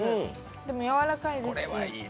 でも、やわらかいです。